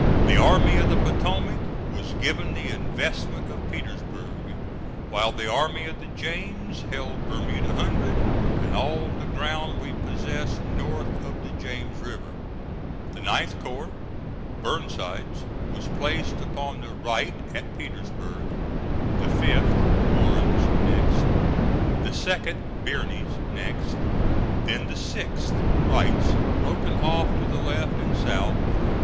The Army of the Potomac was given the investment of Petersburg, while the Army of the James held Bermuda Hundred and all the ground we possessed north of the James River. The 9th corps, Burnside's, was placed upon the right at Petersburg; the 5th, Warren's, next; the 2d, Birney's, next; then the 6th, Wright's, broken off to the left and south.